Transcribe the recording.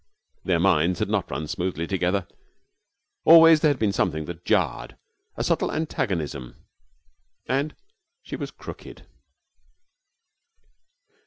Their minds had not run smoothly together. Always there had been something that jarred, a subtle antagonism. And she was crooked.